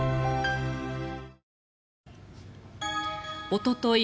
おととい